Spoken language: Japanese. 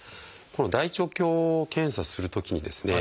この大腸鏡検査するときにですね